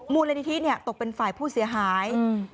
มูลนิธิตกเป็นฝ่ายผู้เสียหาย